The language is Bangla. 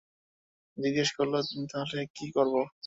জিজ্ঞেস করলো, তাহলে কি করবো?